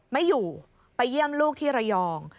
ไม่อยู่ไปเยี่ยมลูกที่ระยอง